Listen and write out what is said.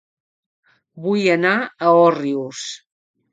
Vull anar a Òrrius